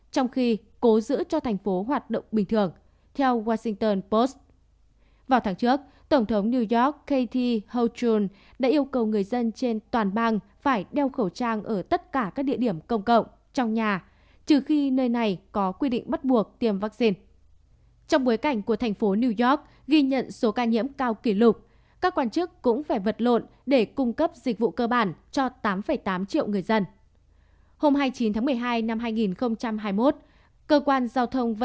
trong khi đó sở cứu hòa thành phố new york đã kêu gọi người dân chỉ gọi chín trăm một mươi một nếu họ thực sự gặp các trường hợp khẩn cấp